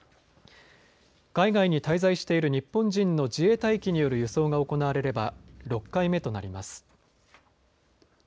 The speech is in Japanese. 海外に滞在している日本人の自衛隊機による輸送が行われれば６回目となります。